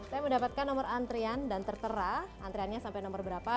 saya mendapatkan nomor antrian dan tertera antriannya sampai nomor berapa